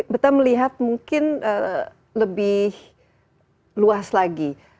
beta melihat mungkin lebih luas lagi